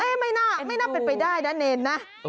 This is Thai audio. ไม่น่าไม่น่าเป็นไปได้นะเนรนะ